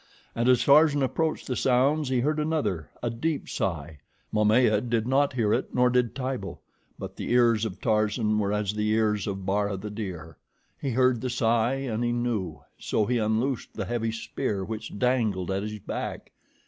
And as Tarzan approached the sounds, he heard another, a deep sigh. Momaya did not hear it, nor did Tibo; but the ears of Tarzan were as the ears of Bara, the deer. He heard the sigh, and he knew, so he unloosed the heavy spear which dangled at his back.